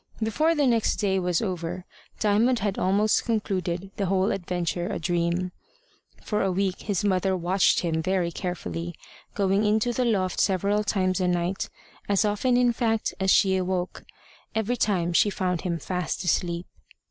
Before the next day was over, Diamond had almost concluded the whole adventure a dream. For a week his mother watched him very carefully going into the loft several times a night as often, in fact, as she woke. Every time she found him fast asleep.